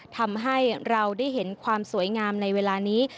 ทำให้เราได้เห็นความสวยงามในเวลานี้